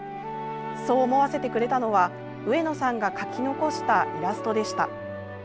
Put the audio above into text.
そう思わせてくれたのは上野さんが描き残したイラストでした。